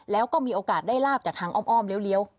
แล้วก็มีโอกาสได้ลาบจากทางอ้อมเลี้ยว